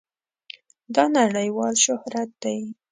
دا نړېوال شهرت دی.